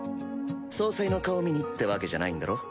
総裁の顔見にってわけじゃないんだろ？